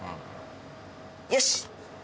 よし！